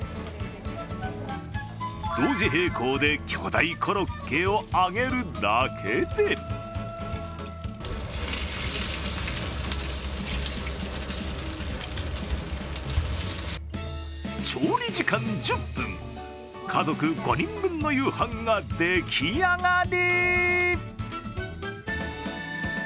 同時並行で巨大コロッケを揚げるだけで調理時間１０分家族５人分の夕飯が出来上がり。